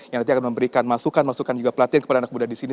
yang nanti akan memberikan masukan masukan juga pelatihan kepada anak muda di sini